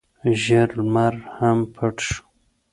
ژړ لمر هم پټ شو.